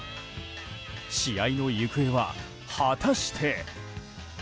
試合の行方は、果たして。